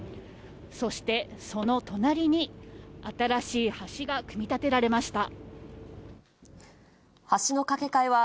そしてその隣に新しい橋が組み立てられました。